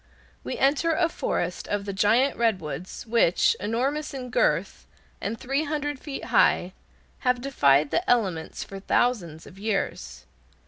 We enter a forest of the giant redwoods, which, enormous in girth, and three hundred feet high, have defied the elements for thousands of years.